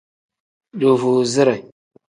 Duvuuzire.